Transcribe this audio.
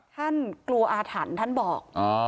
กลัวอาถรรพ์ท่านบอก